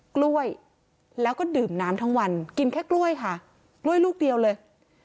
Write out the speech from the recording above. กล้วยแล้วก็ดื่มน้ำทั้งวันกินแค่กล้วยค่ะกล้วยลูกเดียวเลย